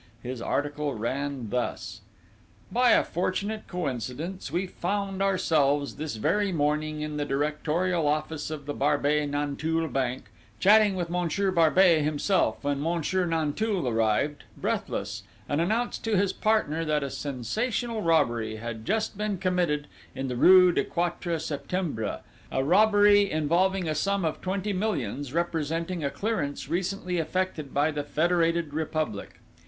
His article ran thus: "By a fortunate coincidence we found ourselves, this very morning, in the directorial office of the Barbey Nanteuil bank, chatting with Monsieur Barbey himself, when Monsieur Nanteuil arrived, breathless, and announced to his partner that a sensational robbery had just been committed in the rue du Quatre Septembre, a robbery involving a sum of twenty millions representing a clearance recently effected by the Federated Republic.